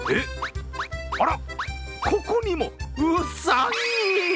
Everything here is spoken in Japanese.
あらっ、ここにも、うさぎ？